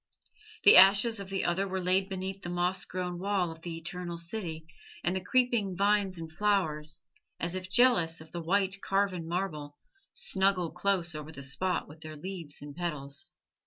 The ashes of the other were laid beneath the moss grown wall of the Eternal City, and the creeping vines and flowers, as if jealous of the white, carven marble, snuggle close over the spot with their leaves and petals.